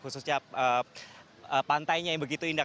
khususnya pantainya yang begitu indah